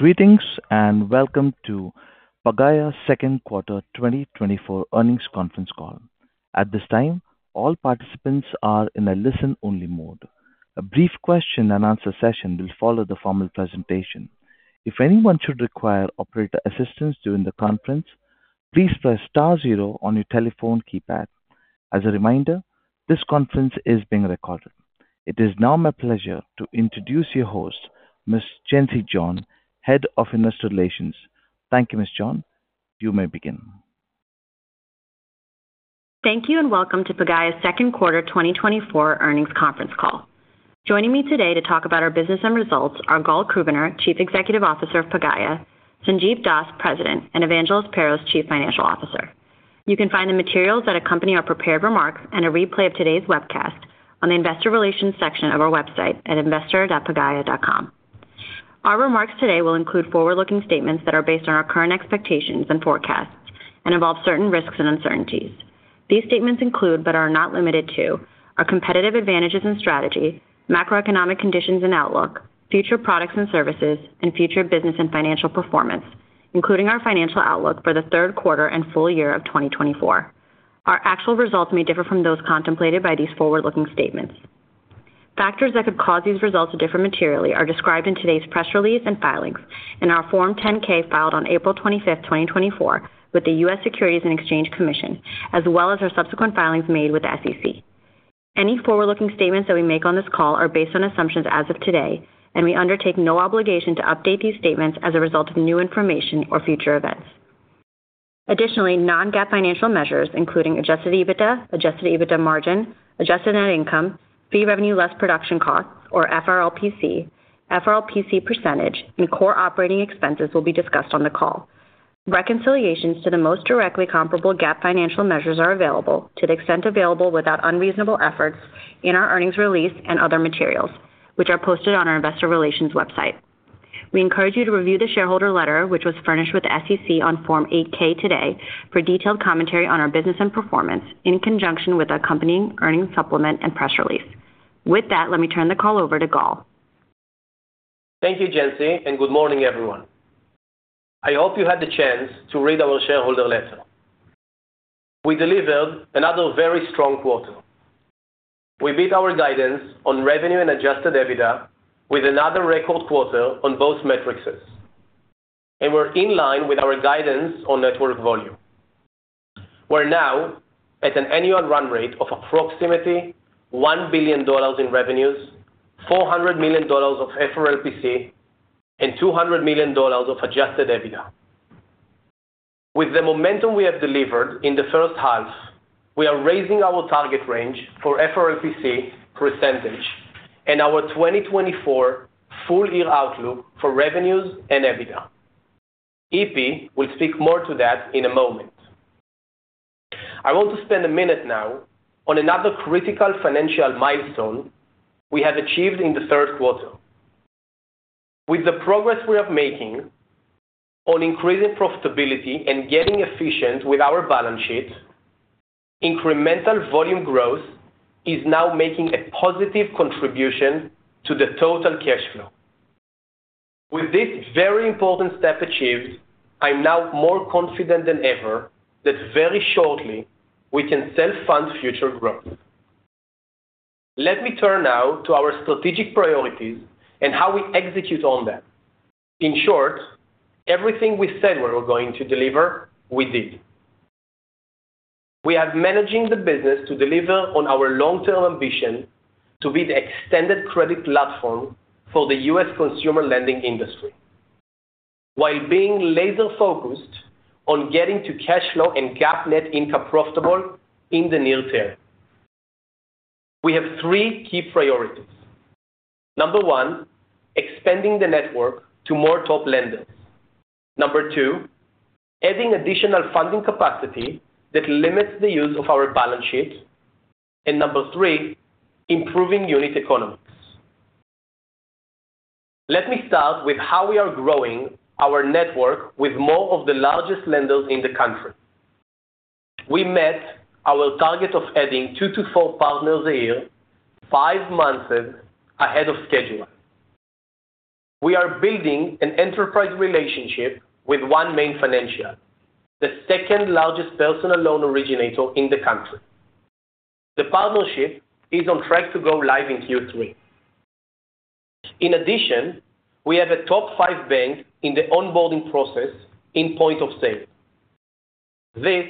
Greetings and welcome to Pagaya Second Quarter 2024 Earnings Conference Call. At this time, all participants are in a listen-only mode. A brief question-and-answer session will follow the formal presentation. If anyone should require operator assistance during the conference, please press star zero on your telephone keypad. As a reminder, this conference is being recorded. It is now my pleasure to introduce your host, Ms. Jency John, Head of Investor Relations. Thank you, Ms. John. You may begin. Thank you and welcome to Pagaya Second Quarter 2024 Earnings Conference Call. Joining me today to talk about our business and results are Gal Krubiner, Chief Executive Officer of Pagaya; Sanjiv Das, President; and Evangelos Perros, Chief Financial Officer. You can find the materials that accompany our prepared remarks and a replay of today's webcast on the Investor Relations section of our website at investor.pagaya.com. Our remarks today will include forward-looking statements that are based on our current expectations and forecasts and involve certain risks and uncertainties. These statements include, but are not limited to, our competitive advantages and strategy, macroeconomic conditions and outlook, future products and services, and future business and financial performance, including our financial outlook for the third quarter and full year of 2024. Our actual results may differ from those contemplated by these forward-looking statements. Factors that could cause these results to differ materially are described in today's press release and filings in our Form 10-K filed on April 25th, 2024, with the U.S. Securities and Exchange Commission, as well as our subsequent filings made with the SEC. Any forward-looking statements that we make on this call are based on assumptions as of today, and we undertake no obligation to update these statements as a result of new information or future events. Additionally, non-GAAP financial measures, including Adjusted EBITDA, Adjusted EBITDA margin, Adjusted net income, fee revenue less production costs, or FRLPC, FRLPC percentage, and core operating expenses will be discussed on the call. Reconciliations to the most directly comparable GAAP financial measures are available, to the extent available without unreasonable efforts, in our earnings release and other materials, which are posted on our Investor Relations website. We encourage you to review the shareholder letter, which was furnished with the SEC on Form 8-K today, for detailed commentary on our business and performance in conjunction with the accompanying earnings supplement and press release. With that, let me turn the call over to Gal. Thank you, Jency, and good morning, everyone. I hope you had the chance to read our shareholder letter. We delivered another very strong quarter. We beat our guidance on revenue and Adjusted EBITDA with another record quarter on both metrics, and we're in line with our guidance on network volume. We're now at an annual run rate of approximately $1 billion in revenues, $400 million of FRLPC, and $200 million of Adjusted EBITDA. With the momentum we have delivered in the first half, we are raising our target range for FRLPC percentage and our 2024 full-year outlook for revenues and EBITDA. EP will speak more to that in a moment. I want to spend a minute now on another critical financial milestone we have achieved in the third quarter. With the progress we are making on increasing profitability and getting efficient with our balance sheet, incremental volume growth is now making a positive contribution to the total cash flow. With this very important step achieved, I'm now more confident than ever that very shortly we can self-fund future growth. Let me turn now to our strategic priorities and how we execute on them. In short, everything we said we were going to deliver, we did. We have managed the business to deliver on our long-term ambition to be the extended credit platform for the U.S. consumer lending industry, while being laser-focused on getting to cash flow and GAAP net income profitable in the near term. We have three key priorities. Number one, expanding the network to more top lenders. Number two, adding additional funding capacity that limits the use of our balance sheet. And number three, improving unit economics. Let me start with how we are growing our network with more of the largest lenders in the country. We met our target of adding two to four partners a year, five months ahead of schedule. We are building an enterprise relationship with OneMain Financial, the second-largest personal loan originator in the country. The partnership is on track to go live in Q3. In addition, we have a top five bank in the onboarding process in point of sale. This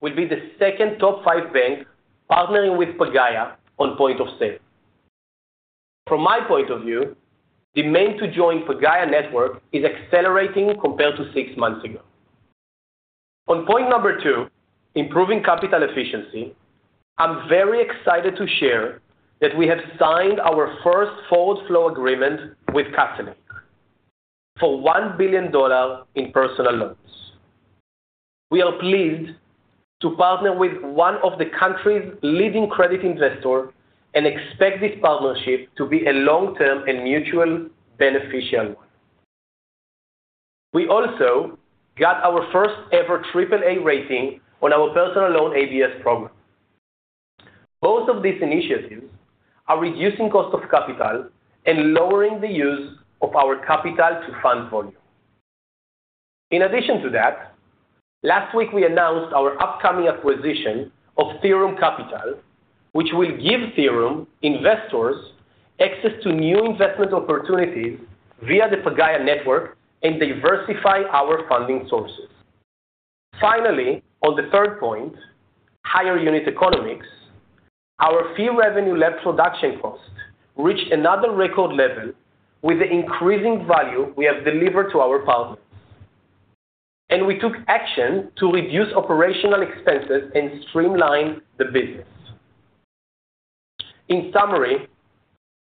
will be the second top five bank partnering with Pagaya on point of sale. From my point of view, the momentum to join Pagaya network is accelerating compared to six months ago. On point number two, improving capital efficiency, I'm very excited to share that we have signed our first forward flow agreement with Castlelake for $1 billion in personal loans. We are pleased to partner with one of the country's leading credit investors and expect this partnership to be a long-term and mutually beneficial one. We also got our first-ever AAA rating on our personal loan ABS program. Both of these initiatives are reducing cost of capital and lowering the use of our capital to fund volume. In addition to that, last week we announced our upcoming acquisition of Theorem Technology, which will give Theorem investors access to new investment opportunities via the Pagaya network and diversify our funding sources. Finally, on the third point, higher unit economics, our fee revenue less production costs reached another record level with the increasing value we have delivered to our partners. We took action to reduce operational expenses and streamline the business. In summary,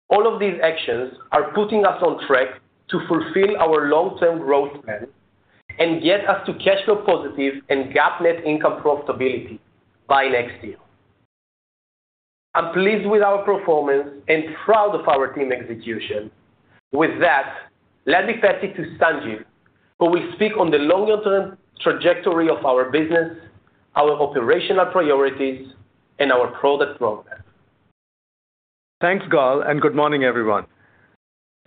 all of these actions are putting us on track to fulfill our long-term growth plan and get us to cash flow positive and GAAP net income profitability by next year. I'm pleased with our performance and proud of our team execution. With that, let me pass it to Sanjiv, who will speak on the longer-term trajectory of our business, our operational priorities, and our product program. Thanks, Gal, and good morning, everyone.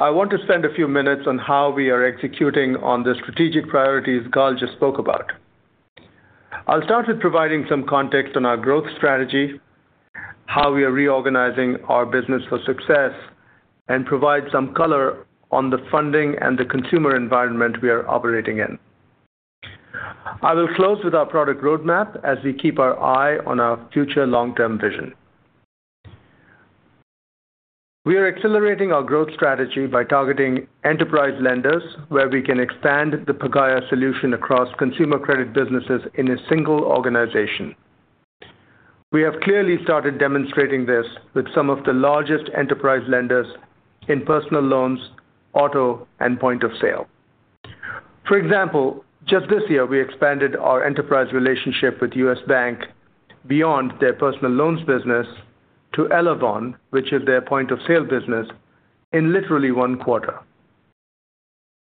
I want to spend a few minutes on how we are executing on the strategic priorities Gal just spoke about. I'll start with providing some context on our growth strategy, how we are reorganizing our business for success, and provide some color on the funding and the consumer environment we are operating in. I will close with our product roadmap as we keep our eye on our future long-term vision. We are accelerating our growth strategy by targeting enterprise lenders where we can expand the Pagaya solution across consumer credit businesses in a single organization. We have clearly started demonstrating this with some of the largest enterprise lenders in personal loans, auto, and point of sale. For example, just this year, we expanded our enterprise relationship with U.S. Bank beyond their personal loans business to Elavon, which is their point of sale business, in literally one quarter.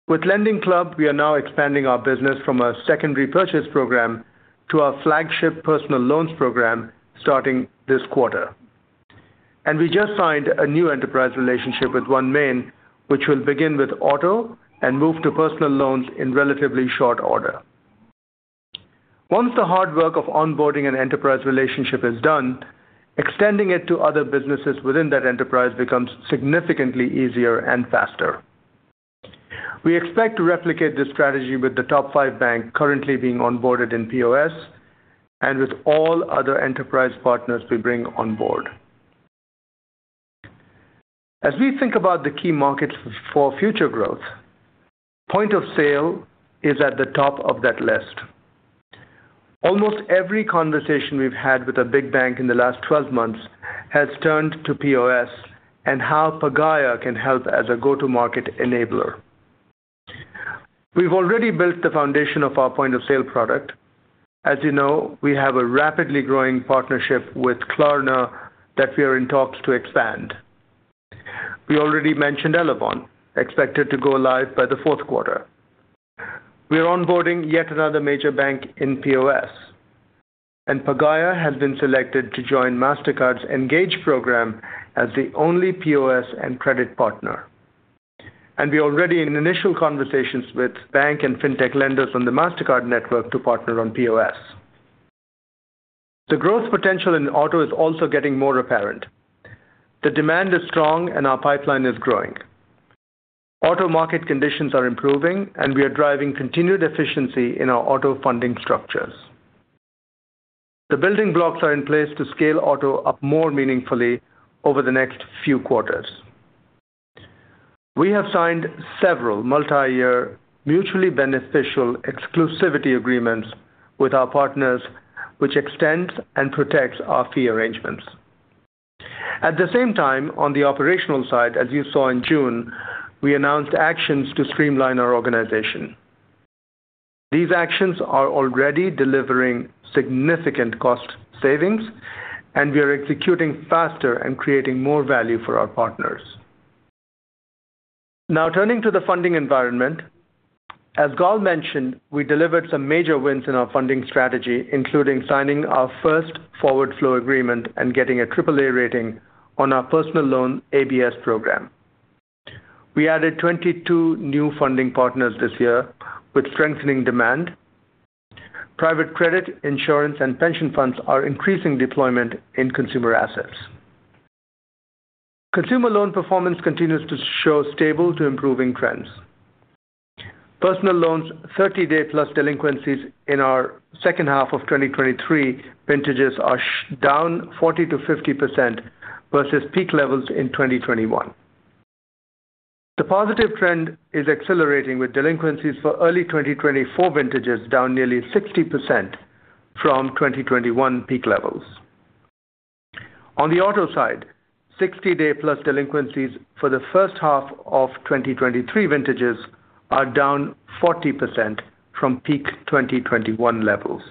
With LendingClub, we are now expanding our business from a secondary purchase program to our flagship personal loans program starting this quarter. We just signed a new enterprise relationship with OneMain, which will begin with auto and move to personal loans in relatively short order. Once the hard work of onboarding an enterprise relationship is done, extending it to other businesses within that enterprise becomes significantly easier and faster. We expect to replicate this strategy with the top five banks currently being onboarded in POS and with all other enterprise partners we bring on board. As we think about the key markets for future growth, point of sale is at the top of that list. Almost every conversation we've had with a big bank in the last 12 months has turned to POS and how Pagaya can help as a go-to-market enabler. We've already built the foundation of our point of sale product. As you know, we have a rapidly growing partnership with Klarna that we are in talks to expand. We already mentioned Elavon, expected to go live by the fourth quarter. We are onboarding yet another major bank in POS, and Pagaya has been selected to join Mastercard's Engage program as the only POS and credit partner. And we are already in initial conversations with bank and fintech lenders on the Mastercard network to partner on POS. The growth potential in auto is also getting more apparent. The demand is strong, and our pipeline is growing. Auto market conditions are improving, and we are driving continued efficiency in our auto funding structures. The building blocks are in place to scale auto up more meaningfully over the next few quarters. We have signed several multi-year mutually beneficial exclusivity agreements with our partners, which extend and protect our fee arrangements. At the same time, on the operational side, as you saw in June, we announced actions to streamline our organization. These actions are already delivering significant cost savings, and we are executing faster and creating more value for our partners. Now, turning to the funding environment, as Gal mentioned, we delivered some major wins in our funding strategy, including signing our first forward flow agreement and getting a AAA rating on our personal loan ABS program. We added 22 new funding partners this year, with strengthening demand. Private credit, insurance, and pension funds are increasing deployment in consumer assets. Consumer loan performance continues to show stable to improving trends. Personal loans' 30-day plus delinquencies in our second half of 2023 vintages are down 40%-50% versus peak levels in 2021. The positive trend is accelerating with delinquencies for early 2024 vintages down nearly 60% from 2021 peak levels. On the auto side, 60-day plus delinquencies for the first half of 2023 vintages are down 40% from peak 2021 levels.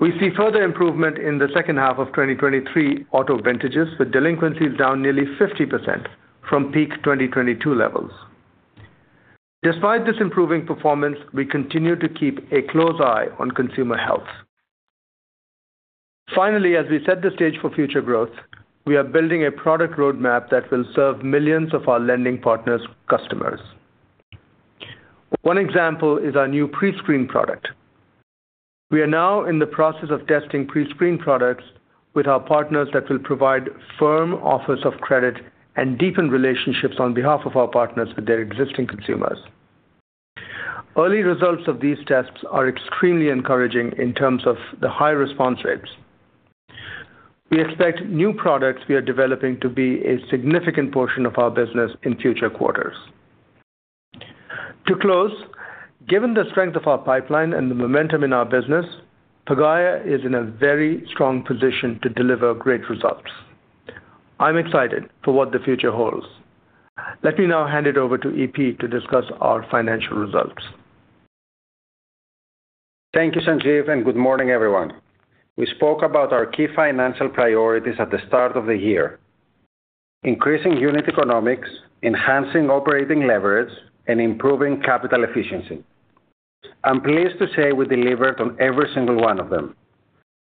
We see further improvement in the second half of 2023 auto vintages with delinquencies down nearly 50% from peak 2022 levels. Despite this improving performance, we continue to keep a close eye on consumer health. Finally, as we set the stage for future growth, we are building a product roadmap that will serve millions of our lending partners' customers. One example is our new pre-screen product. We are now in the process of testing pre-screen products with our partners that will provide firm offers of credit and deepen relationships on behalf of our partners with their existing consumers. Early results of these tests are extremely encouraging in terms of the high response rates. We expect new products we are developing to be a significant portion of our business in future quarters. To close, given the strength of our pipeline and the momentum in our business, Pagaya is in a very strong position to deliver great results. I'm excited for what the future holds. Let me now hand it over to EP to discuss our financial results. Thank you, Sanjiv, and good morning, everyone. We spoke about our key financial priorities at the start of the year: increasing unit economics, enhancing operating leverage, and improving capital efficiency. I'm pleased to say we delivered on every single one of them.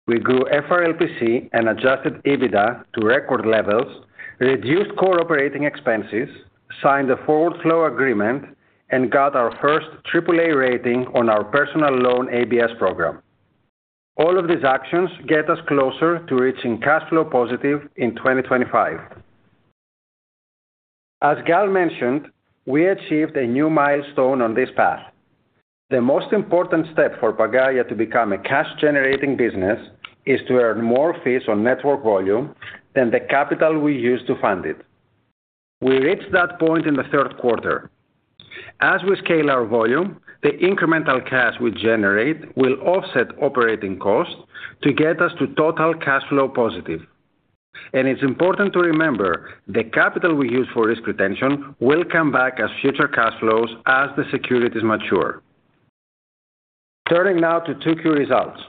We grew FRLPC and adjusted EBITDA to record levels, reduced core operating expenses, signed a forward flow agreement, and got our first AAA rating on our personal loan ABS program. All of these actions get us closer to reaching cash flow positive in 2025. As Gal mentioned, we achieved a new milestone on this path. The most important step for Pagaya to become a cash-generating business is to earn more fees on network volume than the capital we use to fund it. We reached that point in the third quarter. As we scale our volume, the incremental cash we generate will offset operating costs to get us to total cash flow positive. It's important to remember the capital we use for risk retention will come back as future cash flows as the securities mature. Turning now to two key results.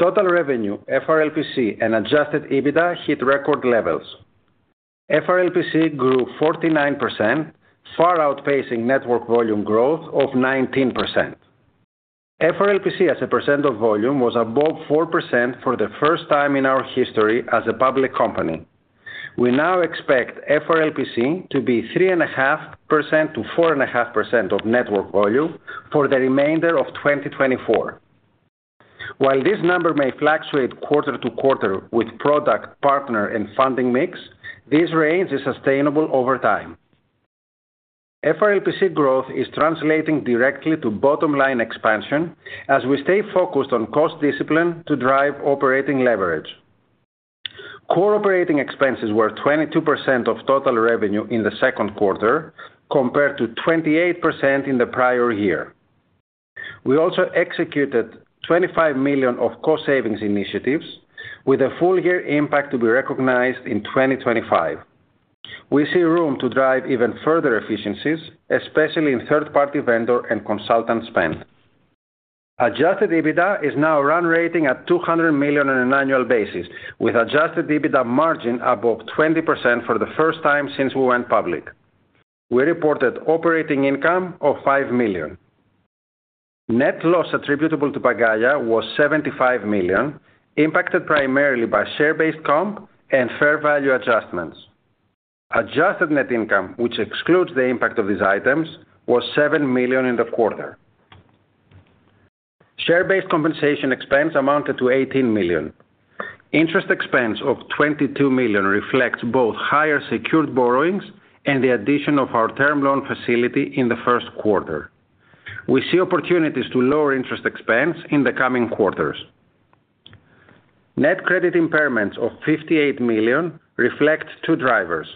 Total revenue, FRLPC, and Adjusted EBITDA hit record levels. FRLPC grew 49%, far outpacing network volume growth of 19%. FRLPC, as a percent of volume, was above 4% for the first time in our history as a public company. We now expect FRLPC to be 3.5%-4.5% of network volume for the remainder of 2024. While this number may fluctuate quarter to quarter with product, partner, and funding mix, this range is sustainable over time. FRLPC growth is translating directly to bottom-line expansion as we stay focused on cost discipline to drive operating leverage. Core operating expenses were 22% of total revenue in the second quarter compared to 28% in the prior year. We also executed $25 million of cost savings initiatives with a full-year impact to be recognized in 2025. We see room to drive even further efficiencies, especially in third-party vendor and consultant spend. Adjusted EBITDA is now run rating at $200 million on an annual basis, with adjusted EBITDA margin above 20% for the first time since we went public. We reported operating income of $5 million. Net loss attributable to Pagaya was $75 million, impacted primarily by share-based comp and fair value adjustments. Adjusted net income, which excludes the impact of these items, was $7 million in the quarter. Share-based compensation expense amounted to $18 million. Interest expense of $22 million reflects both higher secured borrowings and the addition of our term loan facility in the first quarter. We see opportunities to lower interest expense in the coming quarters. Net credit impairments of $58 million reflect two drivers: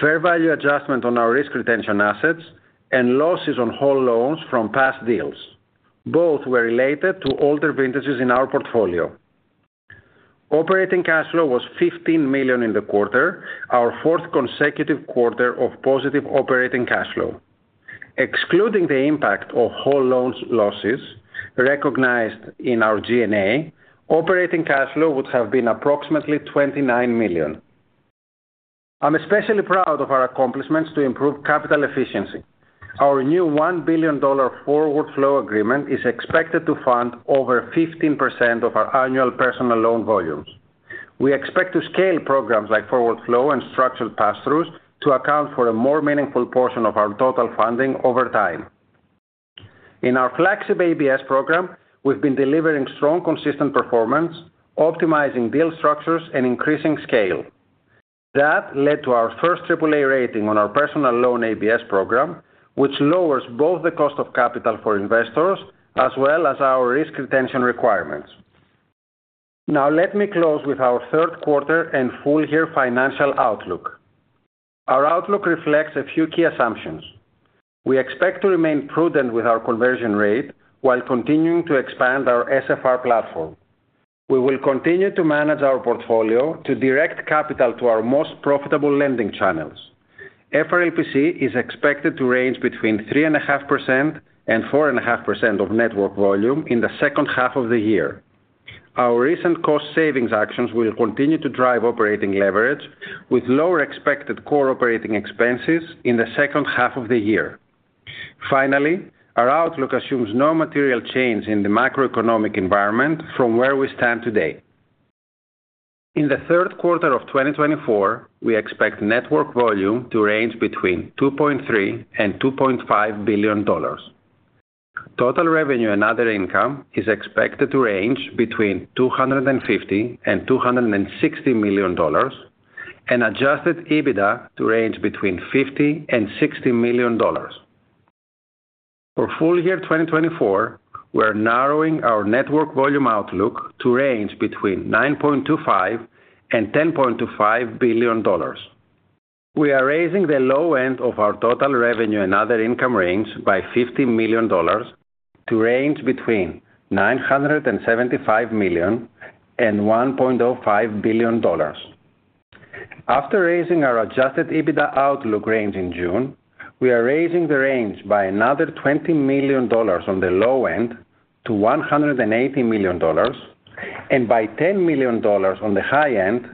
fair value adjustment on our risk retention assets and losses on whole loans from past deals. Both were related to older vintages in our portfolio. Operating cash flow was $15 million in the quarter, our fourth consecutive quarter of positive operating cash flow. Excluding the impact of whole loans losses recognized in our G&A, operating cash flow would have been approximately $29 million. I'm especially proud of our accomplishments to improve capital efficiency. Our new $1 billion forward flow agreement is expected to fund over 15% of our annual personal loan volumes. We expect to scale programs like forward flow and structured pass-throughs to account for a more meaningful portion of our total funding over time. In our flagship ABS program, we've been delivering strong, consistent performance, optimizing deal structures, and increasing scale. That led to our first AAA rating on our personal loan ABS program, which lowers both the cost of capital for investors as well as our risk retention requirements. Now, let me close with our third quarter and full-year financial outlook. Our outlook reflects a few key assumptions. We expect to remain prudent with our conversion rate while continuing to expand our SFR platform. We will continue to manage our portfolio to direct capital to our most profitable lending channels. FRLPC is expected to range between 3.5% and 4.5% of network volume in the second half of the year. Our recent cost savings actions will continue to drive operating leverage, with lower expected core operating expenses in the second half of the year. Finally, our outlook assumes no material change in the macroeconomic environment from where we stand today. In the third quarter of 2024, we expect network volume to range between $2.3 billion and $2.5 billion. Total revenue and other income is expected to range between $250 million and $260 million, and adjusted EBITDA to range between $50 million and $60 million. For full year 2024, we're narrowing our network volume outlook to range between $9.25 billion and $10.25 billion. We are raising the low end of our total revenue and other income range by $50 million to range between $975 million and $1.05 billion. After raising our Adjusted EBITDA outlook range in June, we are raising the range by another $20 million on the low end to $180 million, and by $10 million on the high end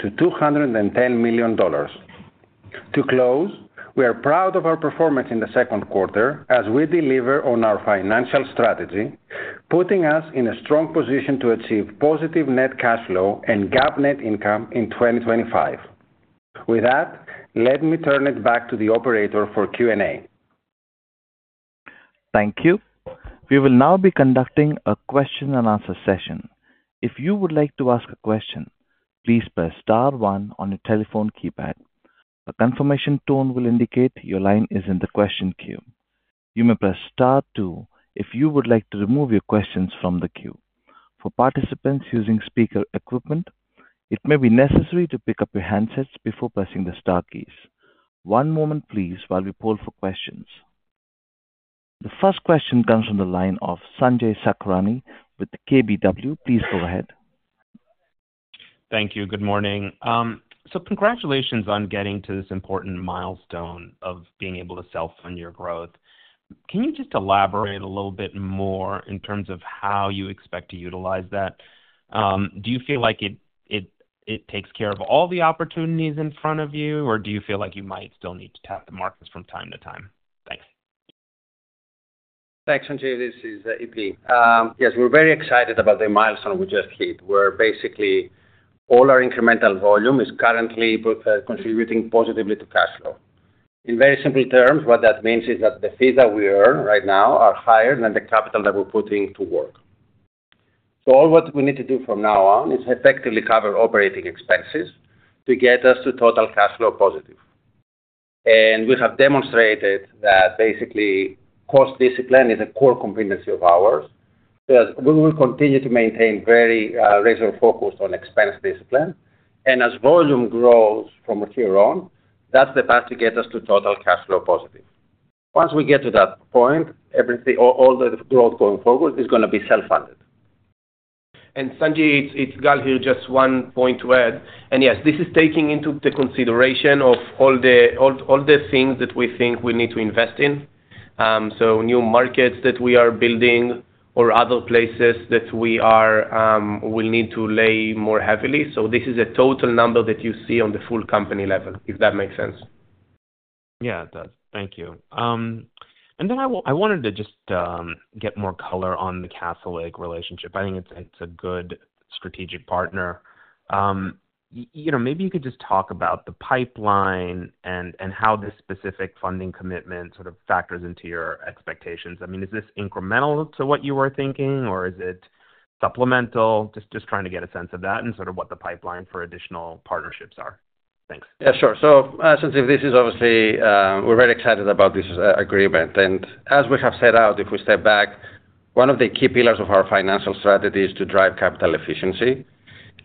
to $210 million. To close, we are proud of our performance in the second quarter as we deliver on our financial strategy, putting us in a strong position to achieve positive net cash flow and GAAP net income in 2025. With that, let me turn it back to the operator for Q&A. Thank you. We will now be conducting a question and answer session. If you would like to ask a question, please press star one on your telephone keypad. A confirmation tone will indicate your line is in the question queue. You may press star two if you would like to remove your questions from the queue. For participants using speaker equipment, it may be necessary to pick up your handsets before pressing the star keys. One moment, please, while we poll for questions. The first question comes from the line of Sanjay Sakhrani with KBW. Please go ahead. Thank you. Good morning. So congratulations on getting to this important milestone of being able to self-fund your growth. Can you just elaborate a little bit more in terms of how you expect to utilize that? Do you feel like it takes care of all the opportunities in front of you, or do you feel like you might still need to tap the markets from time to time? Thanks. Thanks, Sanjiv. This is EP. Yes, we're very excited about the milestone we just hit, where basically all our incremental volume is currently contributing positively to cash flow. In very simple terms, what that means is that the fees that we earn right now are higher than the capital that we're putting to work. So all what we need to do from now on is effectively cover operating expenses to get us to total cash flow positive. We have demonstrated that basically cost discipline is a core competency of ours. We will continue to maintain very laser-focused on expense discipline. As volume grows from here on, that's the path to get us to total cash flow positive. Once we get to that point, all the growth going forward is going to be self-funded. And Sanjiv, it's Gal here, just one point to add. And yes, this is taking into consideration of all the things that we think we need to invest in. So new markets that we are building or other places that we will need to lay more heavily. So this is a total number that you see on the full company level, if that makes sense. Yeah, it does. Thank you. Then I wanted to just get more color on the Castlelake relationship. I think it's a good strategic partner. Maybe you could just talk about the pipeline and how this specific funding commitment sort of factors into your expectations. I mean, is this incremental to what you were thinking, or is it supplemental? Just trying to get a sense of that and sort of what the pipeline for additional partnerships are. Thanks. Yeah, sure. So Sanjiv, this is obviously we're very excited about this agreement. And as we have set out, if we step back, one of the key pillars of our financial strategy is to drive capital efficiency.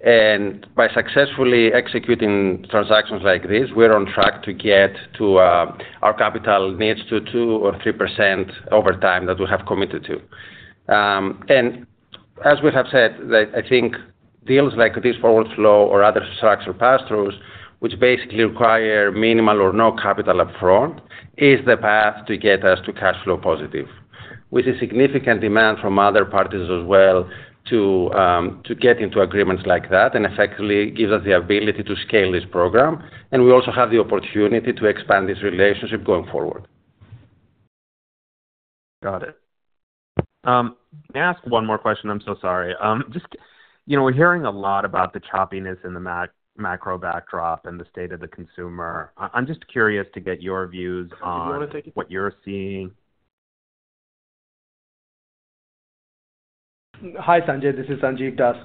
And by successfully executing transactions like this, we're on track to get to our capital needs to 2%-3% over time that we have committed to. And as we have said, I think deals like this forward flow or other structured pass-throughs, which basically require minimal or no capital upfront, is the path to get us to cash flow positive, which is significant demand from other parties as well to get into agreements like that and effectively gives us the ability to scale this program. And we also have the opportunity to expand this relationship going forward. Got it. May I ask one more question? I'm so sorry. We're hearing a lot about the choppiness in the macro backdrop and the state of the consumer. I'm just curious to get your views on what you're seeing. Hi, Sanjiv. This is Sanjiv Das.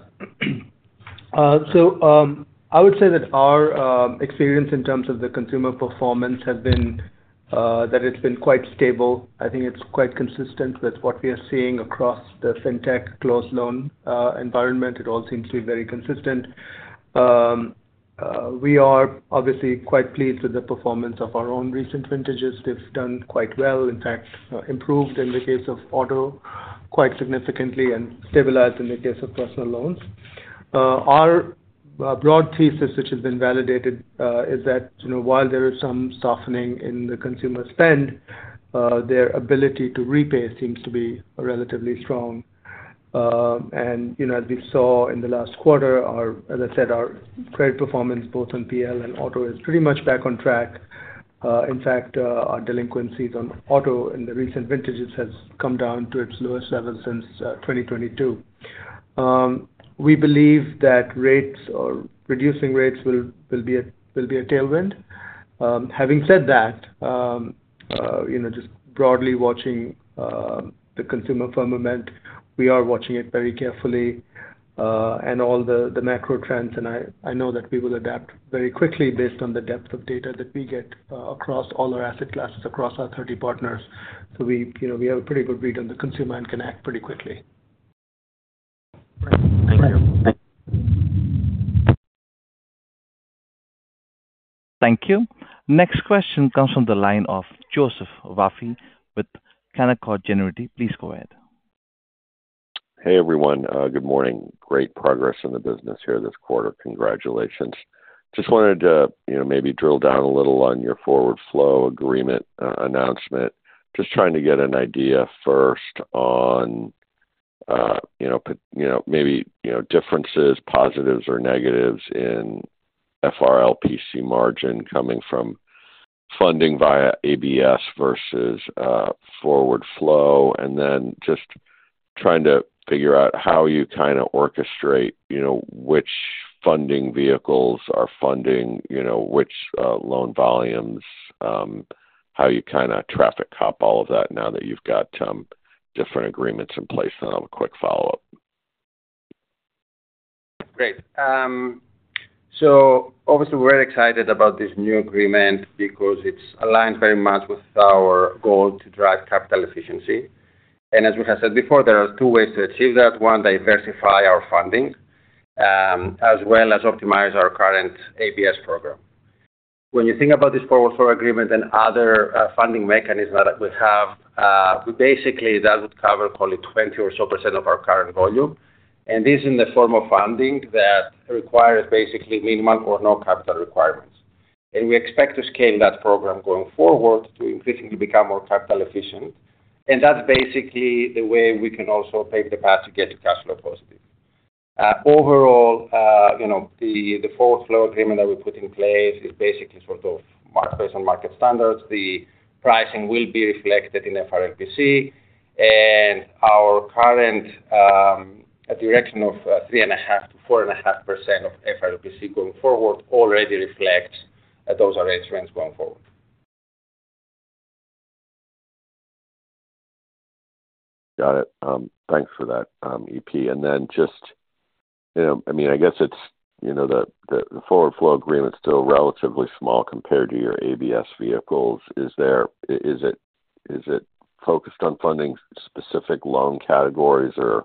So I would say that our experience in terms of the consumer performance has been that it's been quite stable. I think it's quite consistent with what we are seeing across the fintech closed loan environment. It all seems to be very consistent. We are obviously quite pleased with the performance of our own recent vintages. They've done quite well, in fact, improved in the case of auto quite significantly and stabilized in the case of personal loans. Our broad thesis, which has been validated, is that while there is some softening in the consumer spend, their ability to repay seems to be relatively strong. And as we saw in the last quarter, as I said, our credit performance both on PL and auto is pretty much back on track. In fact, our delinquencies on auto in the recent vintages have come down to its lowest level since 2022. We believe that rates or reducing rates will be a tailwind. Having said that, just broadly watching the consumer firmament, we are watching it very carefully and all the macro trends. I know that we will adapt very quickly based on the depth of data that we get across all our asset classes across our 30 partners. We have a pretty good read on the consumer and can act pretty quickly. Thank you. Thank you. Next question comes from the line of Joseph Vafi with Canaccord Genuity. Please go ahead. Hey, everyone. Good morning. Great progress in the business here this quarter. Congratulations. Just wanted to maybe drill down a little on your forward flow agreement announcement. Just trying to get an idea first on maybe differences, positives or negatives in FRLPC margin coming from funding via ABS versus forward flow. And then just trying to figure out how you kind of orchestrate which funding vehicles are funding which loan volumes, how you kind of traffic cop all of that now that you've got different agreements in place. And I have a quick follow-up. Great. So obviously, we're excited about this new agreement because it's aligned very much with our goal to drive capital efficiency. And as we have said before, there are two ways to achieve that. One, diversify our funding as well as optimize our current ABS program. When you think about this forward flow agreement and other funding mechanisms that we have, basically that would cover probably 20% or so of our current volume. And this is in the form of funding that requires basically minimal or no capital requirements. And we expect to scale that program going forward to increasingly become more capital efficient. And that's basically the way we can also pave the path to get to cash flow positive. Overall, the forward flow agreement that we put in place is basically sort of market-based on market standards. The pricing will be reflected in FRLPC. Our current direction of 3.5%-4.5% of FRLPC going forward already reflects those arrangements going forward. Got it. Thanks for that, EP. And then just, I mean, I guess it's the forward flow agreement is still relatively small compared to your ABS vehicles. Is it focused on funding specific loan categories or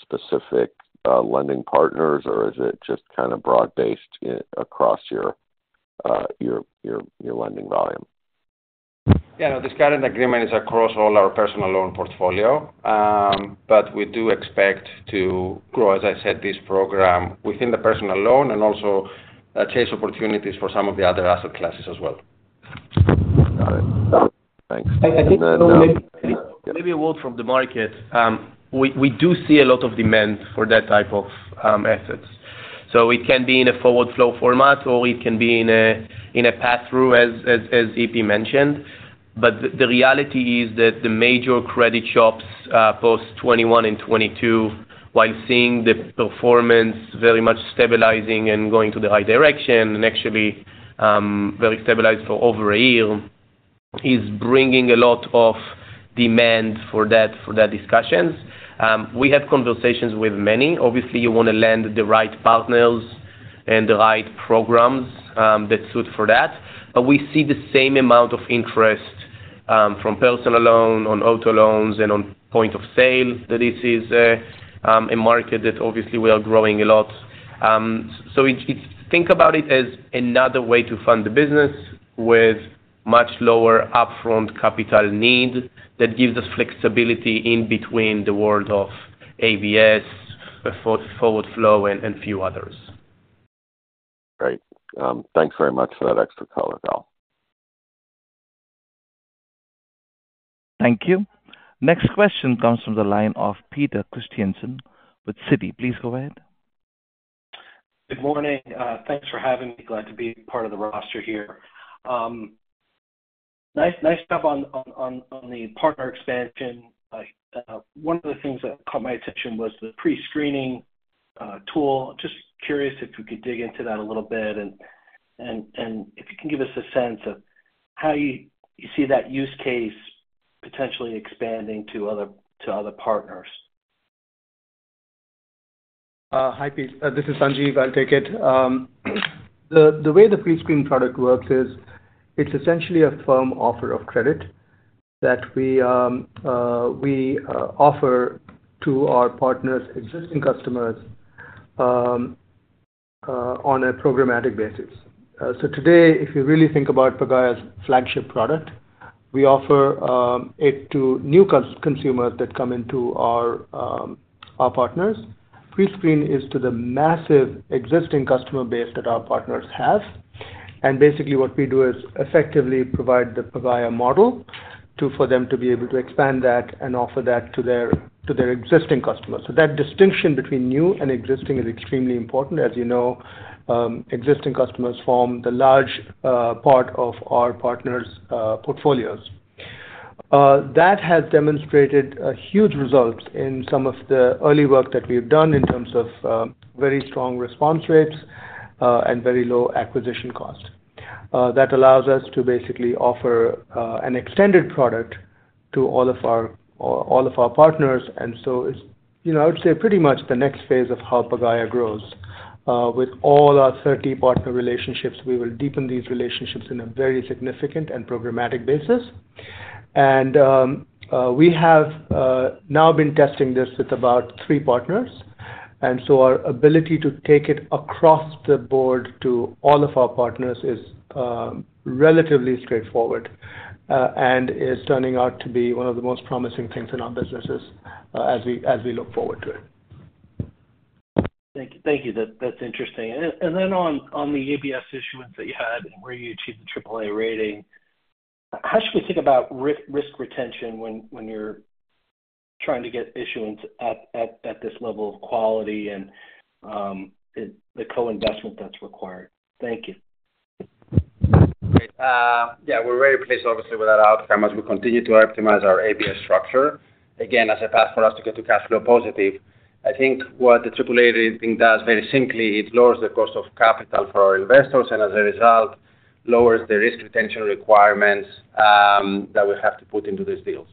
specific lending partners, or is it just kind of broad-based across your lending volume? Yeah, no, this current agreement is across all our personal loan portfolio, but we do expect to grow, as I said, this program within the personal loan and also chase opportunities for some of the other asset classes as well. Got it. Thanks. I think maybe a word from the market. We do see a lot of demand for that type of assets. So it can be in a forward flow format, or it can be in a pass-through, as EP mentioned. But the reality is that the major credit shops post 2021 and 2022, while seeing the performance very much stabilizing and going to the right direction and actually very stabilized for over a year, is bringing a lot of demand for that discussions. We have conversations with many. Obviously, you want to lend the right partners and the right programs that suit for that. But we see the same amount of interest from personal loan, on auto loans, and on point of sale, that this is a market that obviously we are growing a lot. Think about it as another way to fund the business with much lower upfront capital need that gives us flexibility in between the world of ABS, forward flow, and a few others. Great. Thanks very much for that extra color, Gal. Thank you. Next question comes from the line of Peter Christiansen with Citi. Please go ahead. Good morning. Thanks for having me. Glad to be part of the roster here. Nice stuff on the partner expansion. One of the things that caught my attention was the pre-screening tool. Just curious if you could dig into that a little bit and if you can give us a sense of how you see that use case potentially expanding to other partners. Hi, Pete. This is Sanjiv Das. The way the pre-screen product works is it's essentially a firm offer of credit that we offer to our partners, existing customers, on a programmatic basis. So today, if you really think about Pagaya's flagship product, we offer it to new consumers that come into our partners. Pre-screen is to the massive existing customer base that our partners have. And basically what we do is effectively provide the Pagaya model for them to be able to expand that and offer that to their existing customers. So that distinction between new and existing is extremely important. As you know, existing customers form the large part of our partners' portfolios. That has demonstrated huge results in some of the early work that we've done in terms of very strong response rates and very low acquisition cost. That allows us to basically offer an extended product to all of our partners. So I would say pretty much the next phase of how Pagaya grows. With all our 30 partner relationships, we will deepen these relationships in a very significant and programmatic basis. We have now been testing this with about three partners. So our ability to take it across the board to all of our partners is relatively straightforward and is turning out to be one of the most promising things in our businesses as we look forward to it. Thank you. That's interesting. And then on the ABS issuance that you had where you achieved the AAA rating, how should we think about risk retention when you're trying to get issuance at this level of quality and the co-investment that's required? Thank you. Yeah, we're very pleased, obviously, with that outcome as we continue to optimize our ABS structure. Again, as a path for us to get to cash flow positive, I think what the AAA rating does very simply, it lowers the cost of capital for our investors and as a result, lowers the risk retention requirements that we have to put into these deals.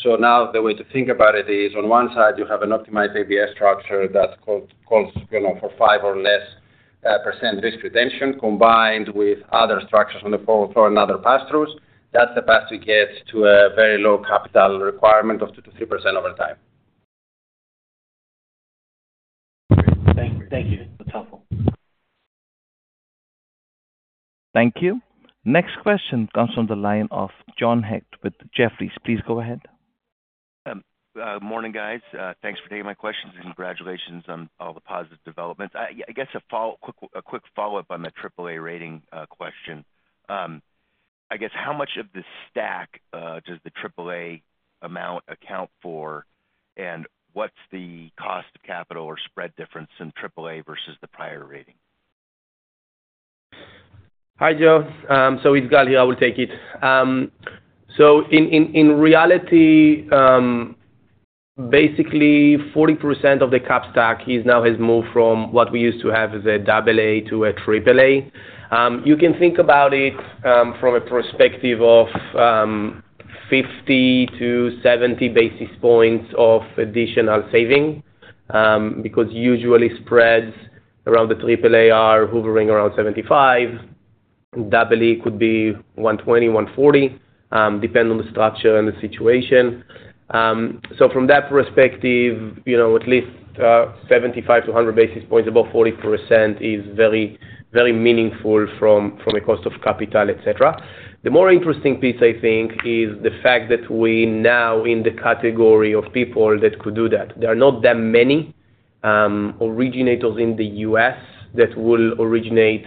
So now the way to think about it is on one side, you have an optimized ABS structure that calls for 5% or less risk retention combined with other structures on the forward flow and other pass-throughs. That's the path to get to a very low capital requirement of 2%-3% over time. Thank you. That's helpful. Thank you. Next question comes from the line of John Hecht with Jefferies. Please go ahead. Morning, guys. Thanks for taking my questions and congratulations on all the positive developments. I guess a quick follow-up on the AAA rating question. I guess how much of the stack does the AAA amount account for, and what's the cost of capital or spread difference in AAA versus the prior rating? Hi, Joe. So it's Gal here. I will take it. So in reality, basically 40% of the cap stack now has moved from what we used to have as a AA to a AAA. You can think about it from a perspective of 50-70 basis points of additional saving because usually spreads around the AAA are hovering around 75. AA could be 120-140, depending on the structure and the situation. So from that perspective, at least 75-100 basis points, above 40% is very meaningful from a cost of capital, etc. The more interesting piece, I think, is the fact that we now in the category of people that could do that. There are not that many originators in the U.S. that will originate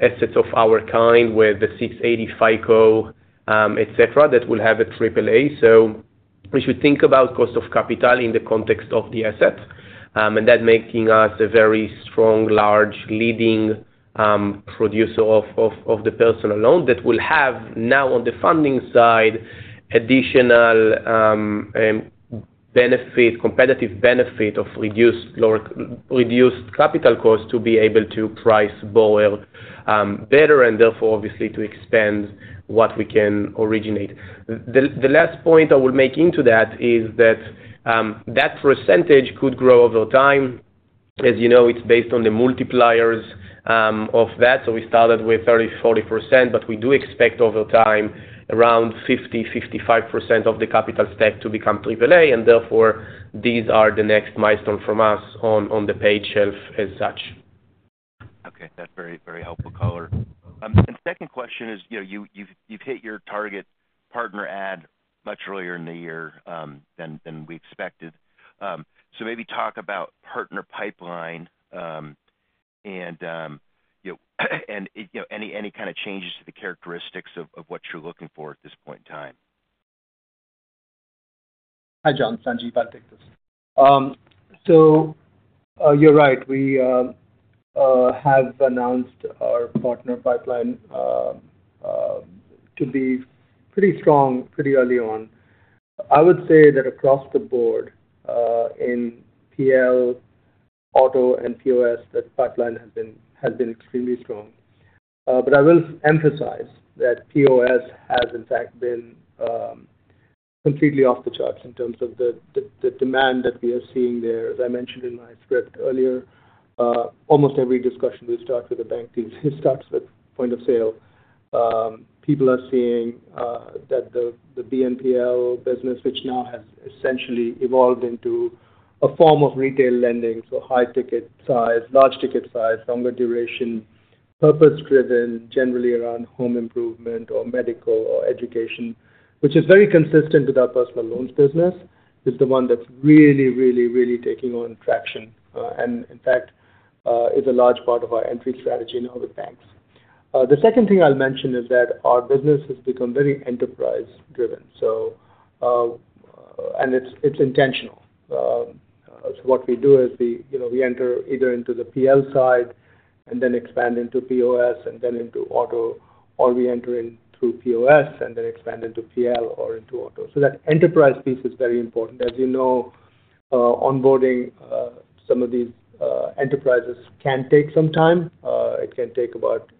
assets of our kind with the 680 FICO, etc., that will have a AAA. We should think about cost of capital in the context of the asset. That's making us a very strong, large leading producer of the personal loan that will have now on the funding side additional benefit, competitive benefit of reduced capital cost to be able to price borrower better and therefore obviously to expand what we can originate. The last point I will make into that is that that percentage could grow over time. As you know, it's based on the multipliers of that. We started with 30%-40%, but we do expect over time around 50%-55% of the capital stack to become AAA. Therefore, these are the next milestone from us on the ABS shelf as such. Okay. That's very helpful, Gal. Second question is you've hit your target partner add much earlier in the year than we expected. So maybe talk about partner pipeline and any kind of changes to the characteristics of what you're looking for at this point in time. Hi, John. Sanjiv Das. You're right. We have announced our partner pipeline to be pretty strong pretty early on. I would say that across the board in PL, auto, and POS, that pipeline has been extremely strong. I will emphasize that POS has, in fact, been completely off the charts in terms of the demand that we are seeing there. As I mentioned in my script earlier, almost every discussion we start with a bank starts with point of sale. People are seeing that the BNPL business, which now has essentially evolved into a form of retail lending, so high ticket size, large ticket size, longer duration, purpose-driven, generally around home improvement or medical or education, which is very consistent with our personal loans business, is the one that's really, really, really taking on traction and, in fact, is a large part of our entry strategy now with banks. The second thing I'll mention is that our business has become very enterprise-driven. And it's intentional. So what we do is we enter either into the PL side and then expand into POS and then into auto, or we enter in through POS and then expand into PL or into auto. So that enterprise piece is very important. As you know, onboarding some of these enterprises can take some time. It can take about,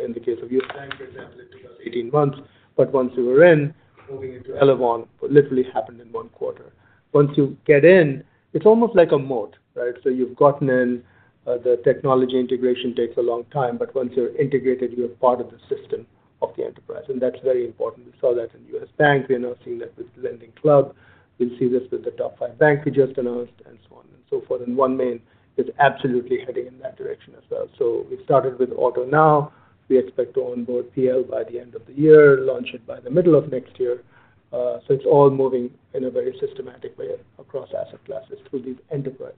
in the case of your bank, for example, it took us 18 months. But once we were in, moving into Elavon literally happened in one quarter. Once you get in, it's almost like a moat, right? So you've gotten in. The technology integration takes a long time, but once you're integrated, you're part of the system of the enterprise. And that's very important. We saw that in U.S. Bank. We're announcing that with Lending Club. We'll see this with the top five bank we just announced and so on and so forth. And OneMain is absolutely heading in that direction as well. So we started with auto now. We expect to onboard PL by the end of the year, launch it by the middle of next year. So it's all moving in a very systematic way across asset classes through these enterprises.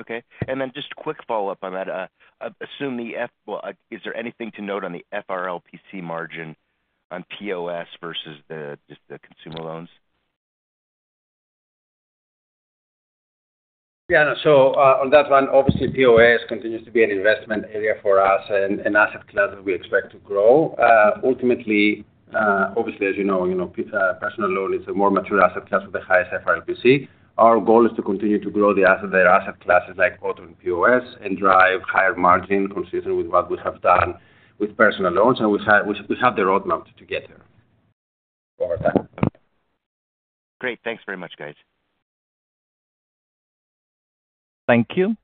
Okay. And then just a quick follow-up on that. Is there anything to note on the FRLPC margin on POS versus just the consumer loans? Yeah. So on that one, obviously, POS continues to be an investment area for us and asset class that we expect to grow. Ultimately, obviously, as you know, personal loan is a more mature asset class with the highest FRLPC. Our goal is to continue to grow their asset classes like auto and POS and drive higher margin consistent with what we have done with personal loans. And we have the roadmap to get there. Great. Thanks very much, guys. Thank you.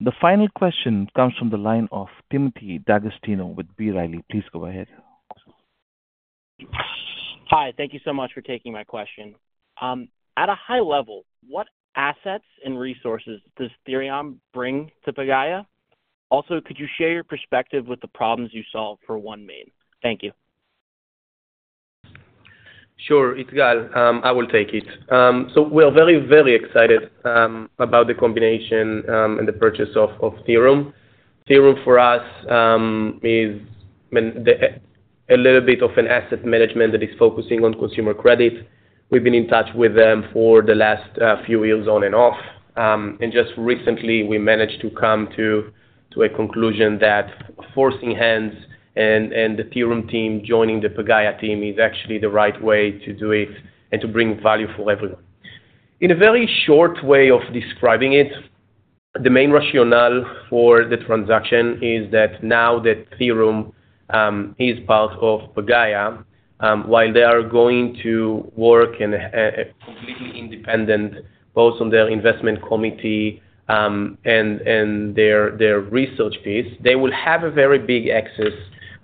The final question comes from the line of Timothy D'Agostino with B. Riley. Please go ahead. Hi. Thank you so much for taking my question. At a high level, what assets and resources does Theorem bring to Pagaya? Also, could you share your perspective with the problems you solve for OneMain? Thank you. Sure. It's Gal. I will take it. So we are very, very excited about the combination and the purchase of Theorem. Theorem for us is a little bit of an asset management that is focusing on consumer credit. We've been in touch with them for the last few years on and off. And just recently, we managed to come to a conclusion that forcing hands and the Theorem team joining the Pagaya team is actually the right way to do it and to bring value for everyone. In a very short way of describing it, the main rationale for the transaction is that now that Theorem is part of Pagaya, while they are going to work completely independent both on their investment committee and their research piece, they will have a very big access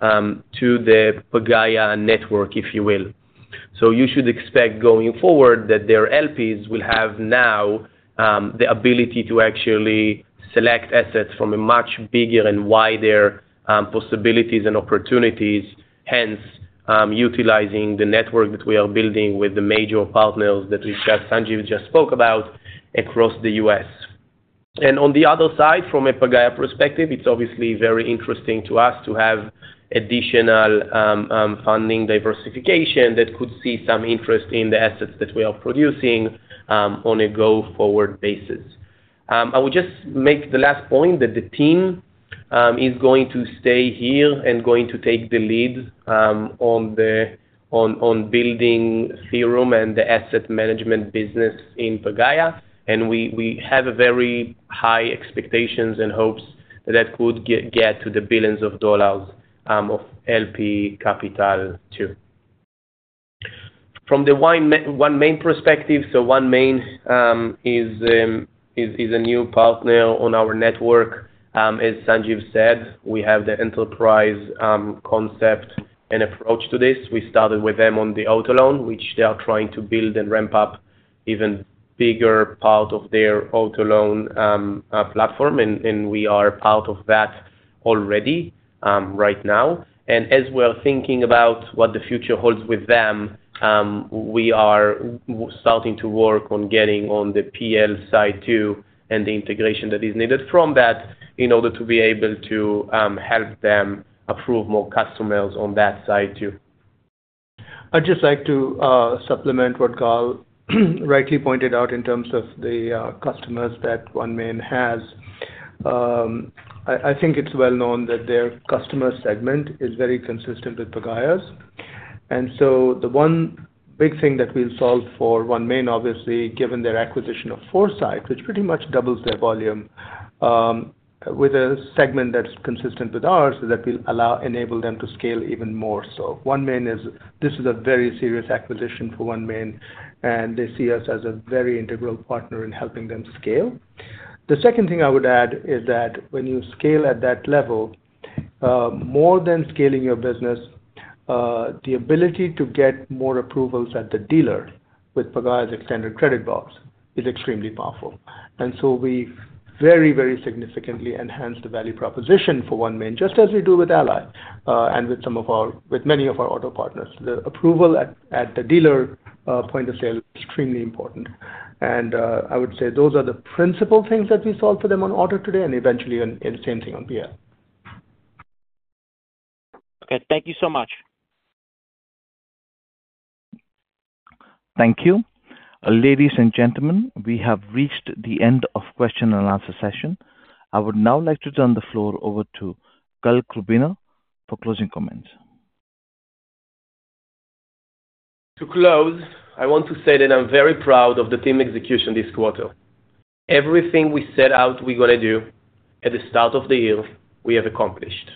to the Pagaya network, if you will. So you should expect going forward that their LPs will have now the ability to actually select assets from a much bigger and wider possibilities and opportunities, hence utilizing the network that we are building with the major partners that Sanjiv just spoke about across the U.S. On the other side, from a Pagaya perspective, it's obviously very interesting to us to have additional funding diversification that could see some interest in the assets that we are producing on a go-forward basis. I will just make the last point that the team is going to stay here and going to take the lead on building Theorem and the asset management business in Pagaya. We have very high expectations and hopes that that could get to the $ billions of LP capital too. From the OneMain perspective, so OneMain is a new partner on our network. As Sanjiv said, we have the enterprise concept and approach to this. We started with them on the auto loan, which they are trying to build and ramp up even bigger part of their auto loan platform. We are part of that already right now. As we are thinking about what the future holds with them, we are starting to work on getting on the PL side too and the integration that is needed from that in order to be able to help them approve more customers on that side too. I'd just like to supplement what Gal rightly pointed out in terms of the customers that OneMain has. I think it's well known that their customer segment is very consistent with Pagaya's. And so the one big thing that we'll solve for OneMain, obviously, given their acquisition of Foursight, which pretty much doubles their volume with a segment that's consistent with ours, is that we'll enable them to scale even more. So this is a very serious acquisition for OneMain, and they see us as a very integral partner in helping them scale. The second thing I would add is that when you scale at that level, more than scaling your business, the ability to get more approvals at the dealer with Pagaya's extended credit box is extremely powerful. So we very, very significantly enhance the value proposition for OneMain, just as we do with Ally and with many of our auto partners. The approval at the dealer point of sale is extremely important. I would say those are the principal things that we solve for them on auto today and eventually the same thing on PL. Okay. Thank you so much. Thank you. Ladies and gentlemen, we have reached the end of the question and answer session. I would now like to turn the floor over to Gal Krubiner for closing comments. To close, I want to say that I'm very proud of the team execution this quarter. Everything we set out we're going to do at the start of the year, we have accomplished.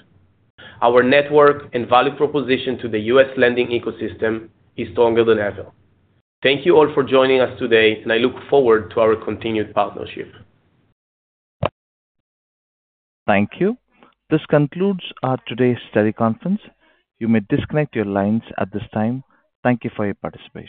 Our network and value proposition to the U.S. lending ecosystem is stronger than ever. Thank you all for joining us today, and I look forward to our continued partnership. Thank you. This concludes today's study conference. You may disconnect your lines at this time. Thank you for your participation.